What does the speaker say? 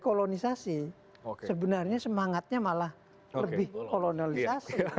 dekolonisasi sebenarnya semangatnya malah lebih kolonialisasi